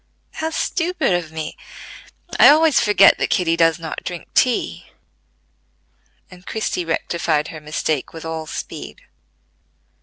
"How stupid of me! I always forget that Kitty does not drink tea," and Christie rectified her mistake with all speed.